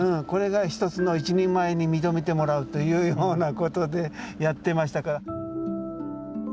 これがひとつの一人前に認めてもらうというようなことでやってましたから。